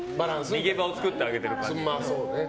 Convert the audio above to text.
逃げ場を作ってあげてる感じね。